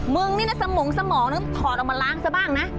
มึงนี่นะสมองสมองนั้นถอดออกมาล้างซะบ้างนะ